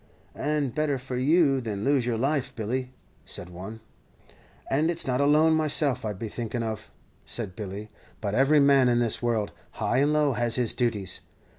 "And better for you than lose your life, Billy," said one. "And it's not alone myself I'd be thinking of," said Billy; "but every man in this world, high and low, has his duties.